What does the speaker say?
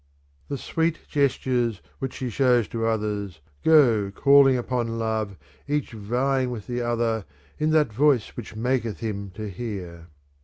, ;The sweet gestures which she shows to others Go calling upon love, each vying with the other, in that voice which maketh him to hear.